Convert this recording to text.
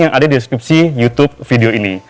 yang ada di skripsi youtube video ini